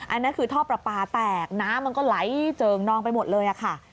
อันนั้นคือท่อประปาแตกน้ำมันก็ไหลเจิงนองไปหมดเลยค่ะ